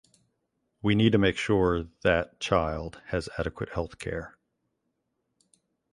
We need to make sure that child has adequate health care.